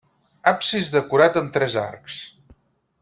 Absis decorat amb tres arcs.